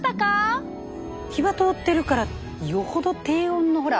火は通ってるからよほど低温のほら。